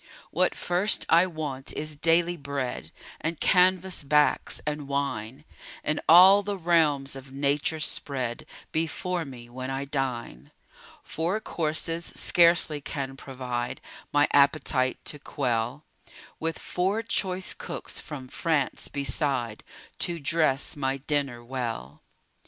What first I want is daily bread And canvas backs, and wine And all the realms of nature spread Before me, when I dine. Four courses scarcely can provide My appetite to quell; With four choice cooks from France beside, To dress my dinner well.